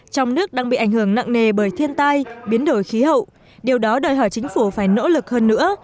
trong nước đang bị ảnh hưởng nặng nề bởi thiên tai biến đổi khí hậu điều đó đòi hỏi chính phủ phải nỗ lực hơn nữa